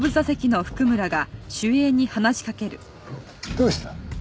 どうした？